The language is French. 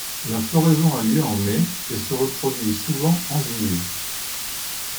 La floraison a lieu en mai et se reproduit souvent en juillet.